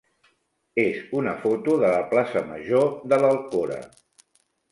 és una foto de la plaça major de l'Alcora.